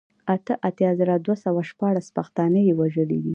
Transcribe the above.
اته اتيا زره دوه سوه شپاړل پښتانه يې وژلي دي